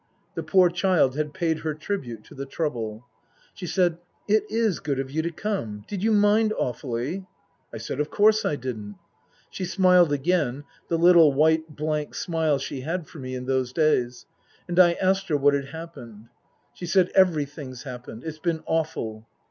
The poor child had paid her tribute to the Trouble. She said, " It is good of you to come Did you mind awfully ?" I said, of course I didn't. She smiled again, the little white, blank smile she had for me in those days, and I asked her what had happened. She said, " Everything's happened. It's been awful."